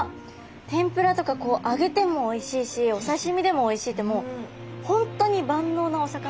天ぷらとか揚げてもおいしいしお刺身でもおいしいってもう本当に万能なお魚じゃないですか。